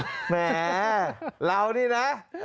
แหมเรานี่นะ